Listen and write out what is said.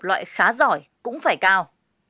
loại khá giỏi cũng phải cao